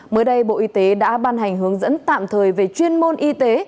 mới đây bộ y tế đã ban hành hướng dẫn tạm thời về chuyên môn y tế